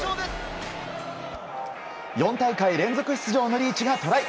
４大会連続出場のリーチがトライ。